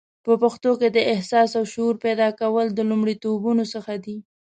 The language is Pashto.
په پښتنو کې د احساس او شعور پیدا کول د لومړیتوبونو څخه دی